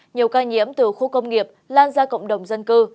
nhiều ca nhiễm từ khu công nghiệp lan ra cộng đồng dân cư